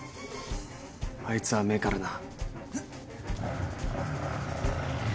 あいつは甘えからな。